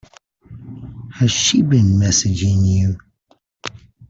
Has she been messaging you?